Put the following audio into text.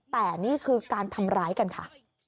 แต่นี่คือการทำร้ายกันค่ะ